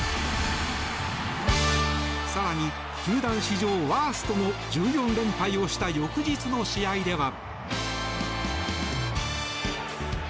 更に球団史上ワーストの１４連敗をした翌日の試合では。